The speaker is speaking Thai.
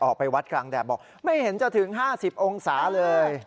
ออกไปวัดกลางแดดบอกไม่เห็นจะถึง๕๐องศาเลย